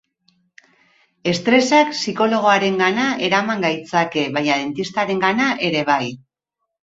Estresak psikologoarengana eraman gaitzake, baina dentistarengana ere bai.